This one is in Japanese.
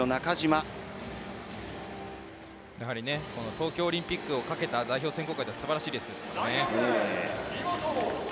東京オリンピックをかけた選考会ではすばらしいレースでしたからね。